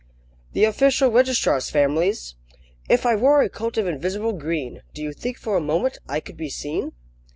The official registrar's family's: "If I wore a coat of invisible green, Do you think for a moment I could be seen?"